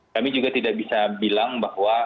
kami juga tidak bisa bilang bahwa